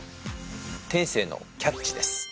天性のキャッチです。